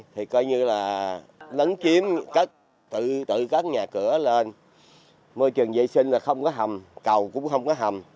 thì coi như là lấn chiếm đất tự cắt nhà cửa lên môi trường vệ sinh là không có hầm cầu cũng không có hầm